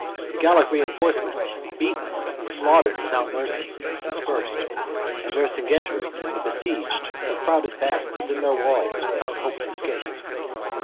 The Gallic re enforcements, beaten and slaughtered without mercy, dispersed; and Vercingetorix and the besieged were crowded back within their walls without hope of escape.